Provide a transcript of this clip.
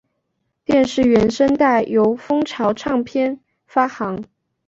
电视原声带由风潮唱片发行。